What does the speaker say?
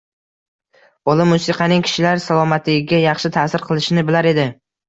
Bola musiqaning kishilar salomatligiga yaxshi ta’sir qilishini bilar edi